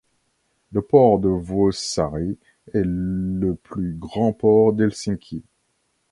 Le Port de Vuosaari est le plus grand Port d'Helsinki.